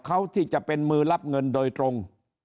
เขาที่จะเป็นมือรับเงินโดยตรง